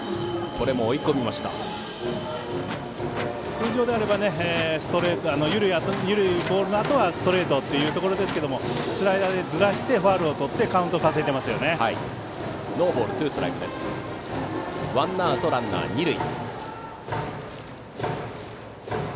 通常であれば緩いボールのあとはストレートというところですがスライダーでずらしてファウルをとってワンアウトランナー、二塁。